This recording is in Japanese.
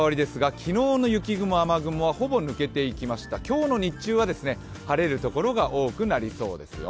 昨日の雪雲、雨雲は抜けて今日の日中は晴れるところが多くなりそうですよ。